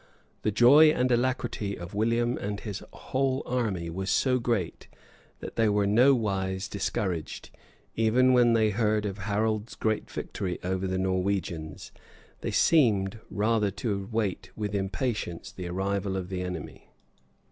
The joy and alacrity of William and his whole army was so great, that they were nowise discouraged, evan when they heard of Harold's great victory over the Norwegians. They seemed rather to wait with impatience the arrival of the enemy.